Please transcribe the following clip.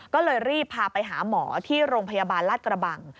ก็เลยรีบพาไปหาหมอที่โรงพยาบาลลาดกระบัง